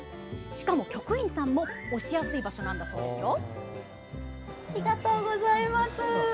しかも、局員さんも押しやすい場所なんだそうですよ。